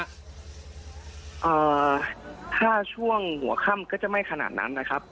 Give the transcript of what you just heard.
ถ้าช่วงหัวค่ำก็จะไม่ขนาดนั้นนะครับ